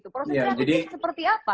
proses kreatif ini seperti apa